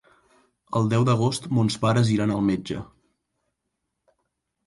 El deu d'agost mons pares iran al metge.